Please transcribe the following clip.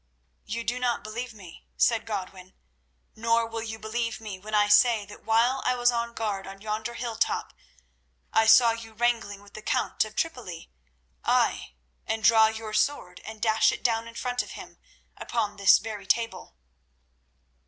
"You do not believe me," said Godwin, "nor will you believe me when I say that while I was on guard on yonder hill top I saw you wrangling with the Count of Tripoli—ay, and draw your sword and dash it down in front of him upon this very table."